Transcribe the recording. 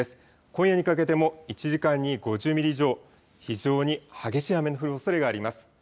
今夜にかけても１時間に５０ミリ以上、非常に激しい雨の降るおそれがあります。